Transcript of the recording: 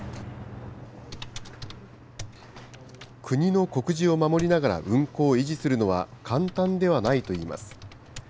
国の告示を守りながら運行を維持するのは簡単ではないといいます。